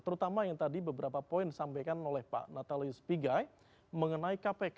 terutama yang tadi beberapa poin disampaikan oleh pak natalius pigai mengenai kpk